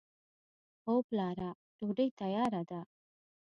هو پلاره! ډوډۍ تیاره ده.